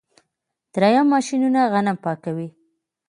دریم ماشینونه غنم پاکوي.